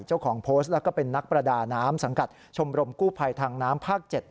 เจ้าของโพสต์แล้วก็เป็นนักประดาน้ำสังกัดชมรมกู้ภัยทางน้ำภาค๗